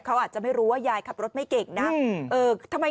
เขาอาจจะไม่รู้ว่ายายขับรถไม่เก่งนะ